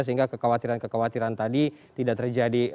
sehingga kekhawatiran kekhawatiran tadi tidak terjadi